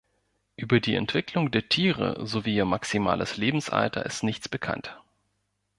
Über die Entwicklung der Tiere sowie ihr maximales Lebensalter ist nichts bekannt.